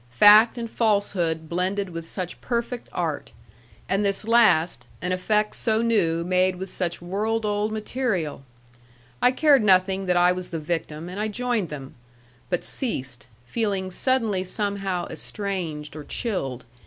Fact and falsehood blended with such perfect art. And this last, an effect so new made with such world old material! I cared nothing that I was the victim, and I joined them; but ceased, feeling suddenly somehow estranged or chilled.